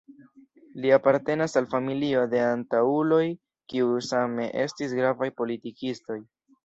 Li apartenas al familio de antaŭuloj kiuj same estis gravaj politikistoj.